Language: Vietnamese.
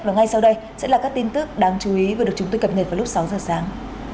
và ngay sau đây sẽ là các tin tức đáng chú ý vừa được chúng tôi cập nhật vào lúc sáu giờ sáng